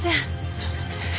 ちょっと見せて！